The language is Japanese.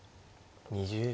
２０秒。